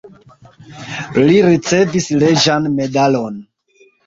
Li ricevis reĝan medalon.